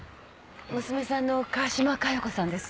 娘さんの川嶋加代子さんです。